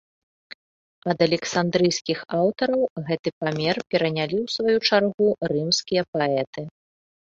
Ад александрыйскіх аўтараў гэты памер перанялі ў сваю чаргу рымскія паэты.